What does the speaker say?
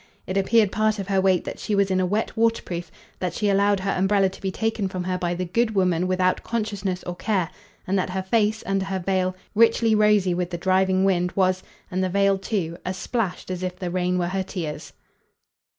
It appeared part of her weight that she was in a wet waterproof, that she allowed her umbrella to be taken from her by the good woman without consciousness or care, and that her face, under her veil, richly rosy with the driving wind, was and the veil too as splashed as if the rain were her tears.